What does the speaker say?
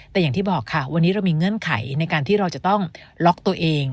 แต่อย่างที่บอกค่ะวันนี้เรามีเงื่อนไขในการที่เราจะต้องล็อกตัวเอง